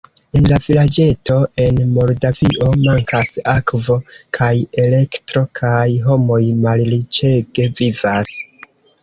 En vilaĝeto en Moldavio mankas akvo kaj elektro kaj homoj malriĉege vivas.